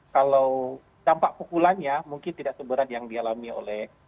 kalau dampak pukulannya mungkin tidak seberat yang dialami oleh